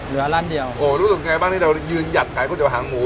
ร้านเดียวโอ้รู้สึกไงบ้างที่เรายืนหยัดขายก๋วเตี๋หางหมู